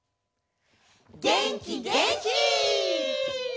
げんきげんき！